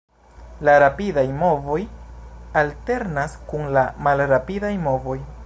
La rapidaj movoj alternas kun la malrapidaj movoj.